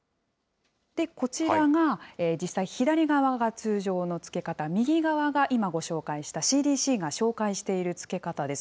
こちらが実際、左側が通常の着け方、右側が今ご紹介したＣＤＣが紹介している着け方です。